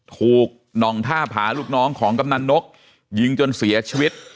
หน่องท่าผาลูกน้องของกำนันนกยิงจนเสียชีวิต